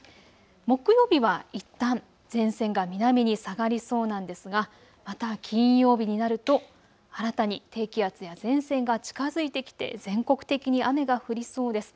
木曜日はいったん前線が南に下がりそうなんですが、また金曜日になると新たに低気圧や前線が近づいてきて全国的に雨が降りそうです。